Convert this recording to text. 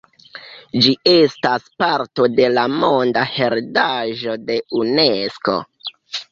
Ĝi estas parto de la monda heredaĵo de Unesko.